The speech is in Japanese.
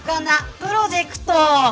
プロジェクト。